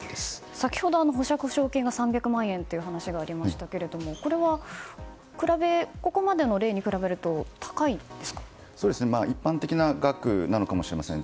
先ほど保釈保証金が３００万円というお話がありましたがここまでの例に比べると一般的な額なのかもしれません。